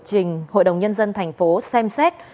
trình hội đồng nhân dân thành phố xem xét